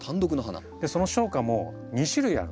その小花も２種類ある。